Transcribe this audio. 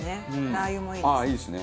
ラー油もいいですね。